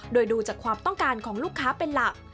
โดยดูจากความต้องการของลูกค้าเป็นหลัก